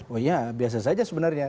oh iya biasa saja sebenarnya